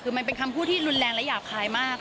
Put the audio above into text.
คือมันเป็นคำพูดที่รุนแรงและหยาบคายมาก